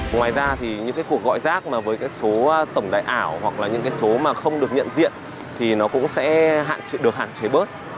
ngoài ra thì những cuộc gọi giác với số tổng đại ảo hoặc là những số mà không được nhận diện thì nó cũng sẽ được hạn chế bớt